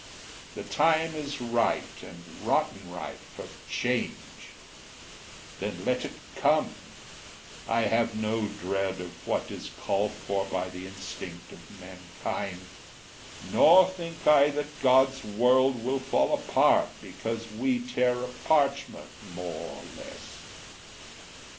The time is ripe, and rotten ripe, for change; Then let it come: I have no dread of what Is called for by the instinct of mankind; Nor think I that God's world will fall apart, Because we tear a parchment more or less.